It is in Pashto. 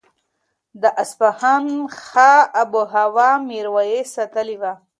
د اصفهان ښه آب و هوا میرویس ستایلې وه.